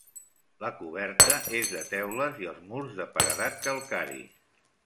La coberta és de teules i els murs de paredat calcari.